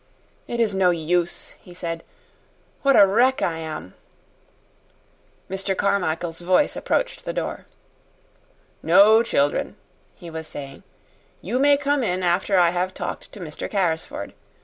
"It is no use," he said. "What a wreck I am!" Mr. Carmichael's voice approached the door. "No, children," he was saying; "you may come in after I have talked to Mr. Carrisford.